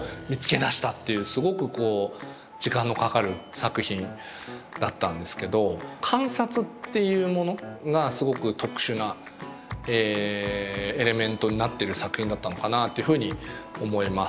すごくこう時間のかかる作品だったんですけど観察っていうものがすごく特殊なエレメントになってる作品だったのかなっていうふうに思います。